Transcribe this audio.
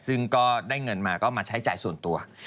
ซึ่งก็ได้เงินมาก็มาใช้จ่ายส่วนตัว